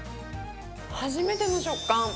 初めての食感。